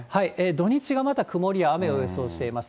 土日がまた曇りや雨を予想しています。